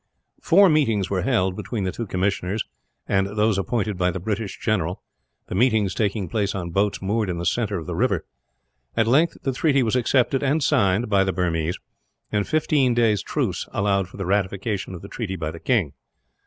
Four meetings were held, between the two commissioners and those appointed by the British general, the meetings taking place on boats moored in the centre of the river. At length the treaty was accepted and signed, by the Burmese, and fifteen days' truce allowed for the ratification of the treaty by the king.